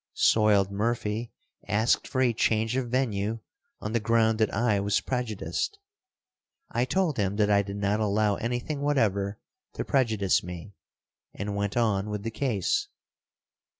Soiled Murphy asked for a change of venue on the ground that I was prejudiced. I told him that I did not allow anything whatever to prejudice me, and went on with the case.